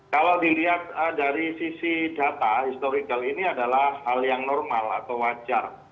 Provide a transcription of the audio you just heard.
kalau dilihat dari sisi data historical ini adalah hal yang normal atau wajar